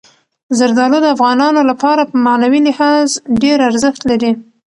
زردالو د افغانانو لپاره په معنوي لحاظ ډېر ارزښت لري.